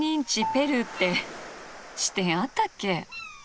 ペルーって支店あったっけ？